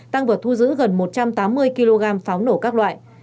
tăng vật thu giữ gần một trăm tám mươi kg pháo nổ các loại